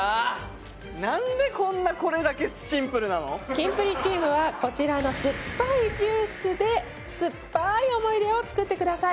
キンプリチームはこちらの酸っぱいジュースで酸っぱい思い出を作ってください。